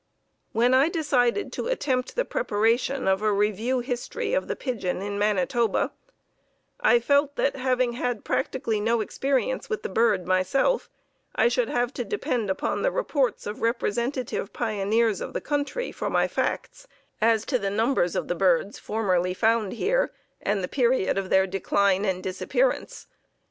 When I decided to attempt the preparation of a review history of the pigeon in Manitoba, I felt that, having had practically no experience with the bird myself, I should have to depend upon the reports of representative pioneers of the country for my facts as to the numbers of the birds formerly found here, and the period of their decline and disappearance.